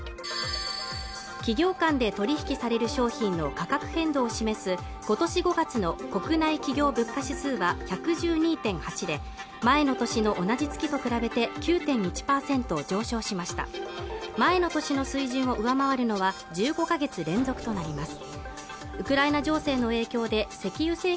企業間で取引される商品の価格変動を示すことし５月の国内企業物価指数は１１２．８で前の年の同じ月と比べて９．１％上昇しました前の年の水準を上回るのは１５か月連続となります